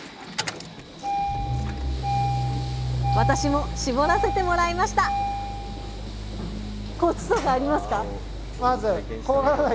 私もしぼらせてもらいましたはい。